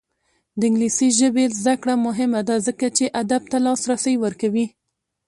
د انګلیسي ژبې زده کړه مهمه ده ځکه چې ادب ته لاسرسی ورکوي.